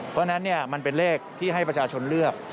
เพราะฉะนั้นมันเป็นเลขที่ให้ประชาชนเลือก